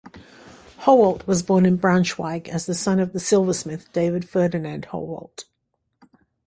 Howaldt was born in Braunschweig as the son of the silversmith David Ferdinand Howaldt.